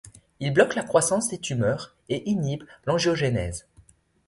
Il bloque la croissance des tumeurs et inhibe l'angiogénèse.